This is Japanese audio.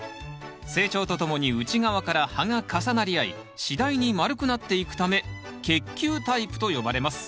成長とともに内側から葉が重なり合い次第に丸くなっていくため結球タイプと呼ばれます。